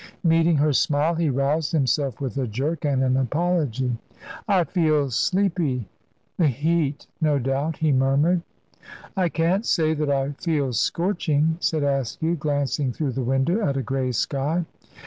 Meeting her smile, he roused himself with a jerk and an apology. "I feel sleepy the heat, no doubt," he murmured. "I can't say that I feel scorching," said Askew, glancing through the window at a grey sky.